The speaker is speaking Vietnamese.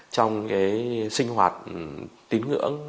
trong sinh hoạt tín ngưỡng